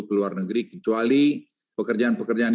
ke luar negeri kecuali pekerjaan pekerjaan